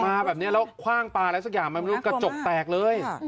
มาแบบนี้แล้วคว่างปลาแล้วสักอย่างมันกระจกแตกเลย